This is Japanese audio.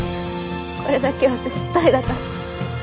これだけは絶対だから。